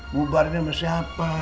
bubarnya sama siapa